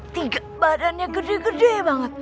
tiga badannya gede gede banget